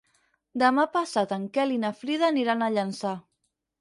Demà passat en Quel i na Frida aniran a Llançà.